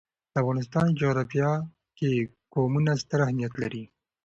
د افغانستان جغرافیه کې قومونه ستر اهمیت لري.